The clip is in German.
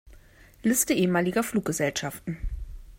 Liste ehemaliger Fluggesellschaften